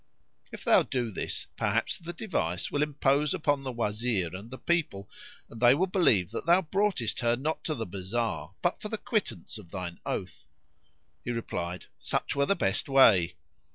If thou do this, perhaps the device will impose upon the Wazir and the people, and they will believe that thou broughtest her not to the bazar but for the quittance of thine oath." He replied, "Such were the best way."